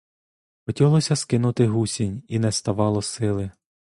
Хотілося скинути гусінь, і не ставало сили.